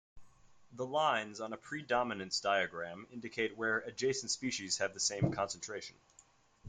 The lines on a predominance diagram indicate where adjacent species have the same concentration.